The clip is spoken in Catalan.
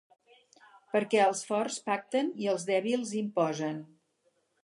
Perquè els forts pacten i els dèbils imposen.